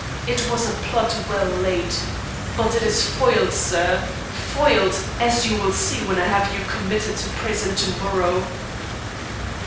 It was a plot well laid; but it is foiled, sir, foiled, as you will see when I have you committed to prison to morrow."